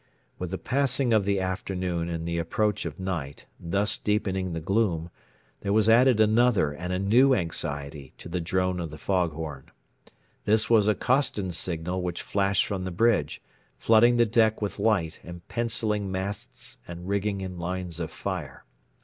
With the passing of the afternoon and the approach of night, thus deepening the gloom, there was added another and a new anxiety to the drone of the fog horn. This was a Coston signal which flashed from the bridge, flooding the deck with light and pencilling masts and rigging in lines of fire.